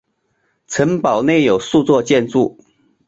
城堡内有数座建筑。